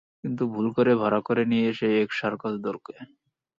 কিন্তু ভুল করে ভাড়া করে নিয়ে আসে এক সার্কাস দলকে।